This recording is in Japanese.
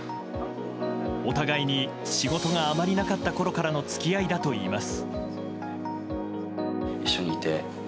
お互いに、仕事があまりなかったころからの付き合いだといいます。